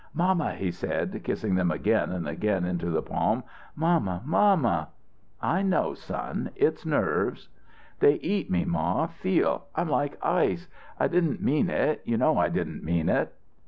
"Mamma," he said, kissing them again and again into the palm, "mamma mamma!" "I know, son; it's nerves." "They eat me, ma. Feel I'm like ice. I didn't mean it; you know I didn't mean it."